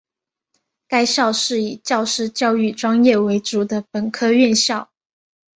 该校是以教师教育专业为主的本科院校。